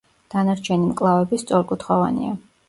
დანარჩენი მკლავები სწორკუთხოვანია.